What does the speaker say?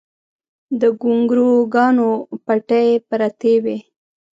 د ګونګروګانو پټۍ پرتې وې